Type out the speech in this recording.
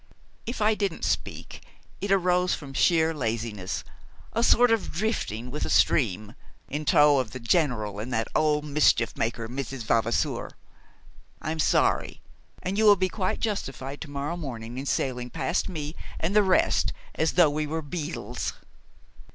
If I didn't speak, it arose from sheer laziness a sort of drifting with the stream, in tow of the General and that old mischief maker, Mrs. Vavasour. I'm sorry, and you will be quite justified to morrow morning in sailing past me and the rest as though we were beetles."